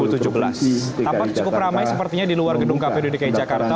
tampak cukup ramai sepertinya di luar gedung kpud dki jakarta